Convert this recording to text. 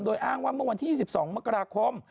โดยอ้างว่าเมื่อวันที่๒๒มกราคม